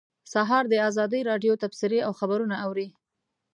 سهار د ازادۍ راډیو تبصرې او خبرونه اوري.